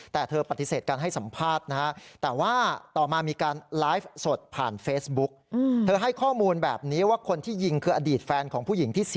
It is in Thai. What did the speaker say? แต่เธอปฏิเสธการให้สัมภาษณ์นะฮะ